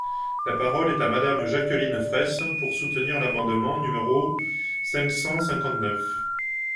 La parole est à Madame Jacqueline Fraysse, pour soutenir l’amendement numéro cinq cent cinquante-neuf.